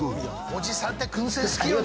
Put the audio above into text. おじさんって燻製好きよね